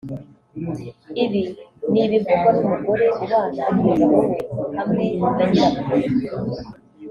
Ibi ni ibivugwa n’umugore ubana n’umugabo we hamwe na nyirabukwe